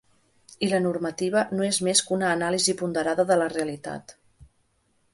I la normativa no és més que una anàlisi ponderada de la realitat.